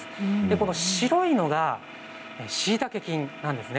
この白いのがしいたけ菌なんですね。